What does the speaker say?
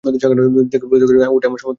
দেখে পুলকিত হয়ে ওঠে আমার সমস্ত মন।